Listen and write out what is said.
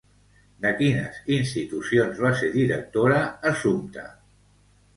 De quines institucions va ser directora Assumpta?